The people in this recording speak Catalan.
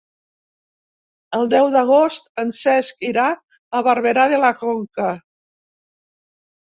El deu d'agost en Cesc irà a Barberà de la Conca.